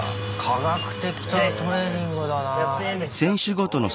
科学的なトレーニングだな。